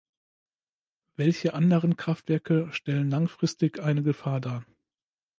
Welche anderen Kraftwerke stellen langfristig eine Gefahr dar?